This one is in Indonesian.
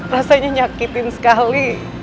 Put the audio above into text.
rasanya nyakitin sekali